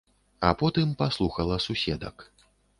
А потым паслухала суседак.